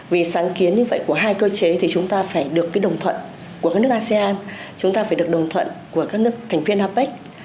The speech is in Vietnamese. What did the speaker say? vì sáng kiến như vậy của hai cơ chế thì chúng ta phải được đồng thuận của các nước asean chúng ta phải được đồng thuận của các nước thành viên apec